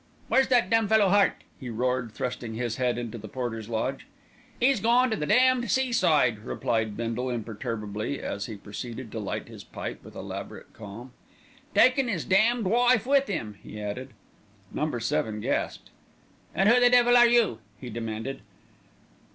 "Where's that damned fellow Hart?" he roared, thrusting his head into the porter's lodge. "'E's gone to the damned seaside," replied Bindle imperturbably, as he proceeded to light his pipe with elaborate calm. "Taken 'is damned wife with 'im," he added. Number Seven gasped. "And who the devil are you?" he demanded.